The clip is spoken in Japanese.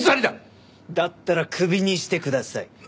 だったらクビにしてください。